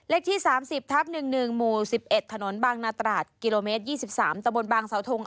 ที่๓๐ทับ๑๑หมู่๑๑ถนนบางนาตราดกิโลเมตร๒๓ตะบนบางสาวทง